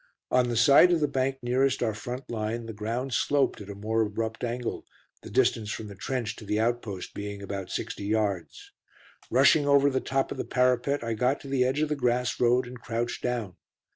On the side of the bank nearest our front line the ground sloped at a more abrupt angle, the distance from the trench to the outpost being about sixty yards. Rushing over the top of the parapet, I got to the edge of the grass road and crouched down.